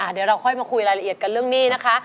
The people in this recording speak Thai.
เดี๋ยวเราค่อยมาคุยรายละเอียดกันเรื่องหนี้นะคะ